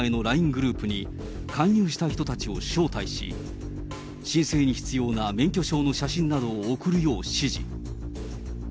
ＬＩＮＥグループに、勧誘した人たちを招待し、申請に必要な免許証の写真などを送るよう指示。